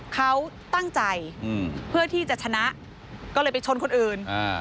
เขาตั้งใจเพื่อที่จะชนะก็เลยไปชนคนอื่น